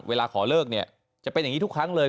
ขอเลิกเนี่ยจะเป็นอย่างนี้ทุกครั้งเลย